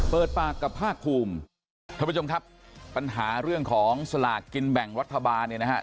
เปิดปากกับภาคภูมิท่านผู้ชมครับปัญหาเรื่องของสลากกินแบ่งรัฐบาลเนี่ยนะฮะ